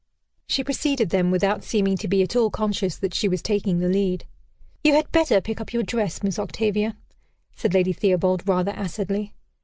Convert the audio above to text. She preceded them, without seeming to be at all conscious that she was taking the lead. "You had better pick up your dress, Miss Octavia," said Lady Theobald rather acidly.